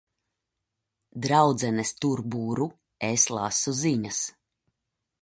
Draudzenes tur buru, es lasu ziņas.